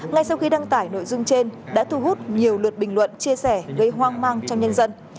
ngay sau khi đăng tải nội dung trên đã thu hút nhiều lượt bình luận chia sẻ gây hoang mang trong nhân dân